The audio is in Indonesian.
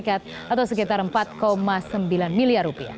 atau sekitar rp empat sembilan miliar